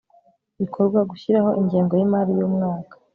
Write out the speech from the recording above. bikorwa gushyiraho ingengo y imari y umwaka